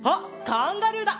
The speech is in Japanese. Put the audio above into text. カンガルーだ！